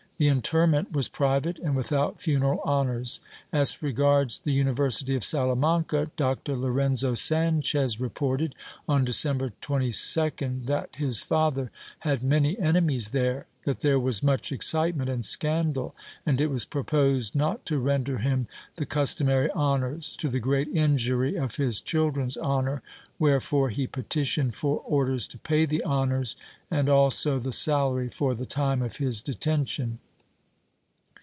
The interment was private and without funeral honors. As regards the University of Salamanca, Dr. Lorenzo Sanchez reported, on December 22d, that his father had many enemies there, that there was much excitement and scandal, and it was proposed not to render him the customary honors, to the great injury of his chil dren's honor, wherefore he petitioned for orders to pay the honors and also the salary for the time of his detention.